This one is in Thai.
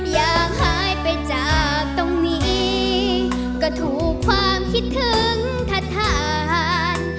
อยากหายไปจากตรงนี้ก็ถูกความคิดถึงทัศน